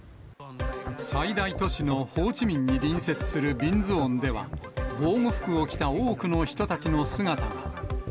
最大都市のホーチミンに隣接するビンズオンでは、防護服を着た多くの人たちの姿が。